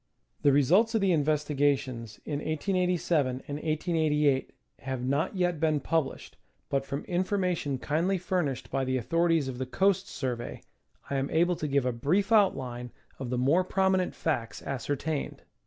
The results of the investigations in 1887 and 1888 have not yet been published, but from information kindly furnished by the authorities of the Coast Survey, I am able to give a brief outline of the more prominent facts ascertained.